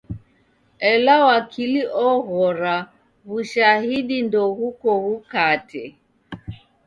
Ela wakili oghora w'ushahidi ndoghuko ghukate.